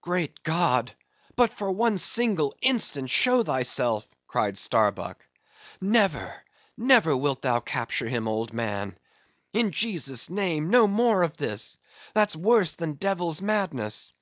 "Great God! but for one single instant show thyself," cried Starbuck; "never, never wilt thou capture him, old man—In Jesus' name no more of this, that's worse than devil's madness.